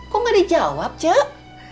kok gak dijawab cek